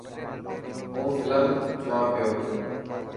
هون فلم جوان پيو.